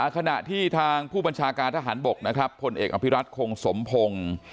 ขณะที่ทางผู้บัญชาการทหารบกนะครับผลเอกอภิรัตคงสมพงศ์